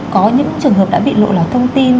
có những trường hợp đã bị lộ lọt thông tin